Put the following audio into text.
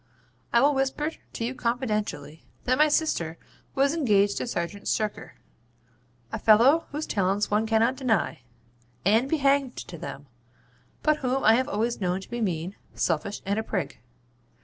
'I will whisper to you confidentially that my sister was engaged to Serjeant Shirker a fellow whose talents one cannot deny, and be hanged to them, but whom I have always known to be mean, selfish, and a prig.